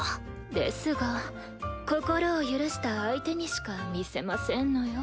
ですが心を許した相手にしか見せませんのよ。